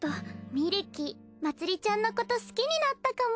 みるきまつりちゃんのこと好きになったかも。